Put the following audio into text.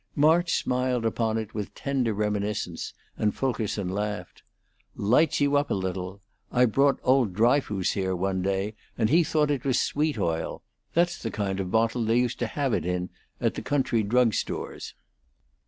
March smiled upon it with tender reminiscence, and Fulkerson laughed. "Lights you up a little. I brought old Dryfoos here one day, and he thought it was sweet oil; that's the kind of bottle they used to have it in at the country drug stores."